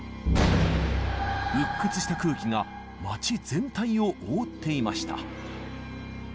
鬱屈とした空気が街全体を覆っていました。